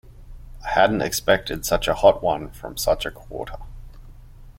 I hadn't expected such a hot one from such a quarter.